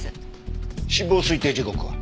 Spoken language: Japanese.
死亡推定時刻は？